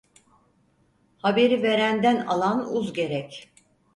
Haberi verenden alan uz gerek.